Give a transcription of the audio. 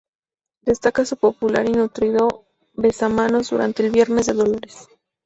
Destaca su popular y nutrido besamanos durante el Viernes de Dolores.